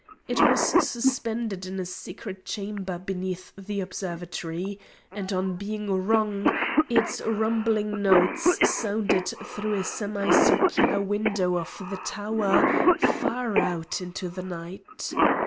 It was suspended in a secret chamber beneath the observatory, and on being rung, its rumbling notes sounded through a semicircular window of the tower far out into the night.